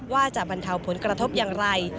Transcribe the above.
ว่าจะบรรเทาผลกระทบอย่างไร